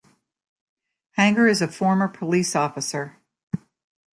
Hanger is a former police officer.